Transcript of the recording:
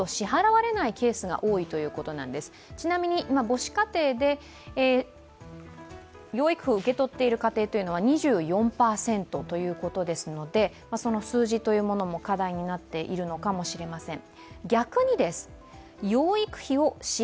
母子家庭で養育費を受け取っている家庭というのは２４％ということですのでその数字というのも課題になっているのかもしれません。